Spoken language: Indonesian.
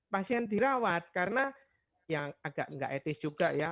pasien dirawat karena yang agak nggak etis juga ya